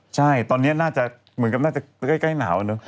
ใช่ตอนนี้น่าจะเหมือนกับน่าจะใกล้หนาวเนอะ